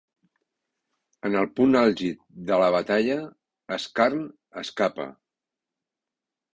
En el punt àlgid de la batalla, Scarn escapa.